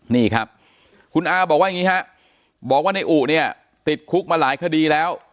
นี่ครับคุณอาบอกว่าอย่างนี้ฮะบอกว่าในอุเนี่ยติดคุกมาหลายคดีแล้ว